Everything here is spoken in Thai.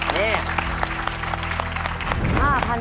นี่